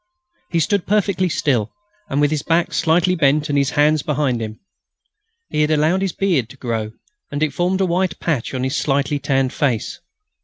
He stood perfectly still, with his back slightly bent and his hands behind him. He had allowed his beard to grow, and it formed a white patch on his slightly tanned face.